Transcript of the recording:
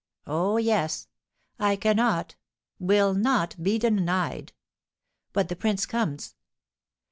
Oh, yes! I cannot will not be denied! But the prince comes!"